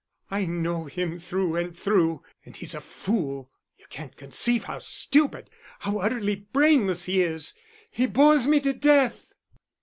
I know him through and through, and he's a fool. You can't conceive how stupid, how utterly brainless he is.... He bores me to death!"